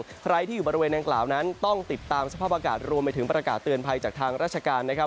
ใครที่อยู่บริเวณดังกล่าวนั้นต้องติดตามสภาพอากาศรวมไปถึงประกาศเตือนภัยจากทางราชการนะครับ